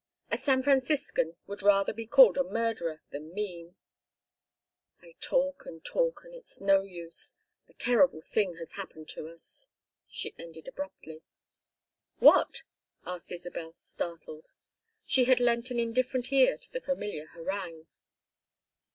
A San Franciscan would rather be called a murderer than mean. I talk and talk, and it's no use. A terrible thing has happened to us," she ended, abruptly. "What?" asked Isabel, startled; she had lent an indifferent ear to the familiar harangue.